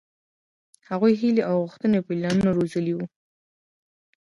هغوۍ هيلې او غوښتنې او پلانونه روزلي وو.